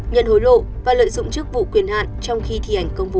nhận hối lộ và lợi dụng chức vụ quyền hạn trong khi thi hành công vụ